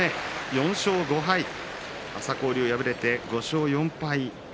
４勝５敗朝紅龍敗れて、５勝４敗。